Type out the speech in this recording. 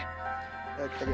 kita jalan perlahan lahan